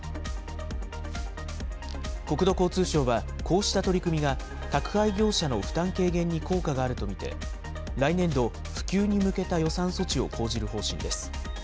国土交通省は、こうした取り組みが、宅配業者の負担軽減に効果があると見て、来年度、普及に向けた予算措置を講じる方針です。